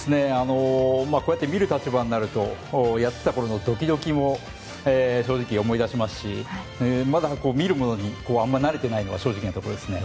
こうやって見る立場になるとやっていたころのドキドキも正直思い出しますしまだ見るものに慣れていないのが正直なところですね。